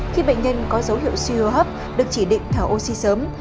khi bệnh nhân có dấu hiệu siêu hấp được chỉ định thở oxy sớm